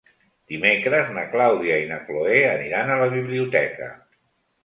Dimecres na Clàudia i na Cloè aniran a la biblioteca.